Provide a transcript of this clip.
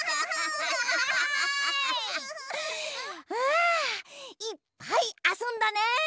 あいっぱいあそんだね！